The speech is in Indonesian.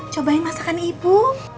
cobain masakan ibu